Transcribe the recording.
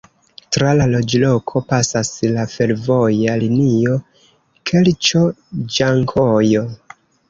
Tra la loĝloko pasas la fervoja linio Kerĉo-Ĝankojo.